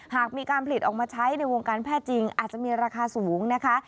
หากมีการผลิตออกมาใช้ในวงการแพทย์จริงอาจจะมีราคาสูงนะคะ